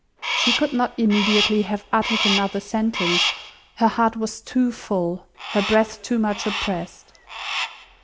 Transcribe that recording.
She could not immediately have uttered another sentence; her heart was too full, her breath too much oppressed.